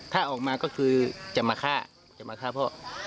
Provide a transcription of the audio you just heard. ถ้าออกมาก็คือจะมาฆ่าจะมาฆ่าพ่อ